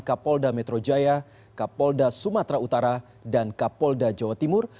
kapolda metro jaya kapolda sumatera utara dan kapolda jawa timur